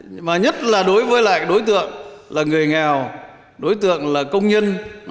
nhưng mà nhất là đối với lại đối tượng là người nghèo đối tượng là công nhân